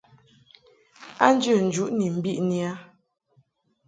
A njə njuʼ ni mbiʼni a.